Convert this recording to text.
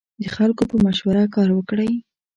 د خلکو په مشوره کار وکړئ.